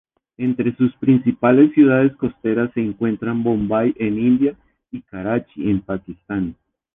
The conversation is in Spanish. Entre sus principales ciudades costeras se encuentran Bombay en India y Karachi en Pakistán.